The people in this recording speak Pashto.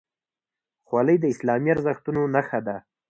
خولۍ د اسلامي ارزښتونو نښه ده.